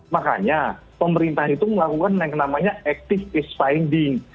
makanya pemerintah itu melakukan yang namanya active east finding